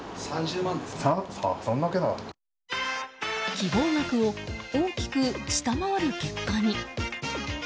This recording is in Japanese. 希望額を大きく下回る結果に。